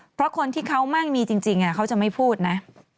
เพราะคนที่เขาไม่มีจริงเขาจะไม่พูดนะ